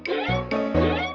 gigi permisi dulu ya mas